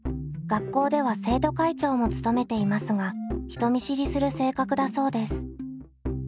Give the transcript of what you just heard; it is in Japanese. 学校では生徒会長も務めていますが人見知りする性格だそうです。